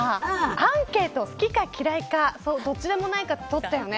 アンケートで好きか嫌いかどっちでもないか取ったよね。